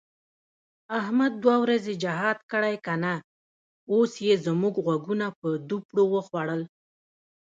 احمد دوه ورځې جهاد کړی که نه، اوس یې زموږ غوږونه په دوپړو وخوړل.